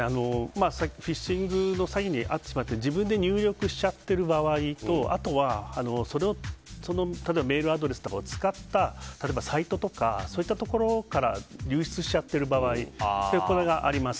フィッシングの詐欺に遭ってしまって自分で入力しちゃってる場合とあとはメールアドレスとかを使ったサイトとかから流出しちゃってる場合があります。